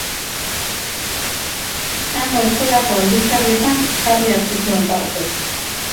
Hango eskolako aldizkarietan sarri hartu zuen parte.